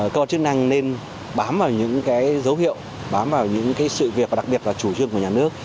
cơ quan chức năng nên bám vào những dấu hiệu bám vào những sự việc đặc biệt là chủ trương của nhà nước